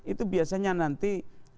itu biasanya nanti